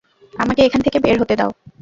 আমাকে এখান থেকে বের হতে দাও!